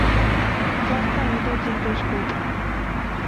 জানতাম এটাই জিজ্ঞেস করবে।